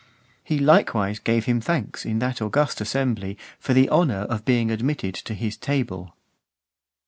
He likewise gave him thanks in that august assembly for the honour of being admitted to his table.